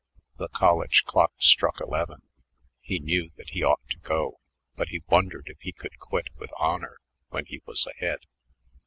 The college clock struck eleven. He knew that he ought to go, but he wondered if he could quit with honor when he was ahead.